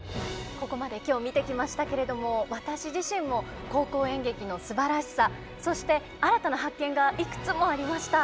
ここまで今日見てきましたけれども私自身も高校演劇のすばらしさそして新たな発見がいくつもありました。